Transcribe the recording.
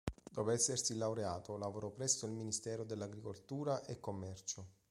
Dopo essersi laureato, lavorò presso il Ministero dell'Agricoltura e Commercio.